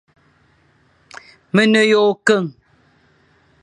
Me ne yʼôkeñ,